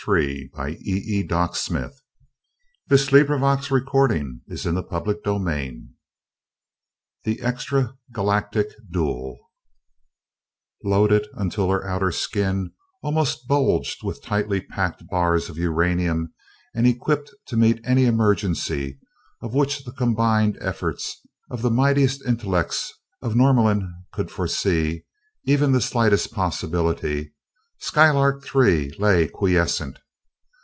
"She's just too perfectly kippy for words, sitting up there, isn't she?" CHAPTER XV The Extra Galactic Duel Loaded until her outer skin almost bulged with tightly packed bars of uranium and equipped to meet any emergency of which the combined efforts of the mightiest intellects of Norlamin could foresee even the slightest possibility, Skylark Three lay quiescent.